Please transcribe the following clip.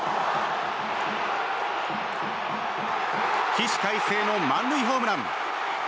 起死回生の満塁ホームラン。